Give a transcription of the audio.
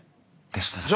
でしたら。